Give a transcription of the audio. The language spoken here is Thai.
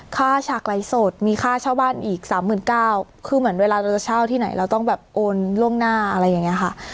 ค่าฉากไลฟ์สดมีค่าเช่าบ้านอีกสามหมื่นเก้าคือเหมือนเวลาเราจะเช่าที่ไหนเราต้องแบบโอนล่วงหน้าอะไรอย่างนี้ค่ะ